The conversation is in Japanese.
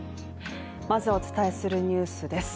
まずお伝えするニュースです。